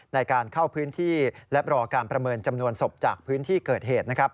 ในการเข้าพื้นที่และรอการประเมินจำนวนศพจากพื้นที่เกิดเหตุ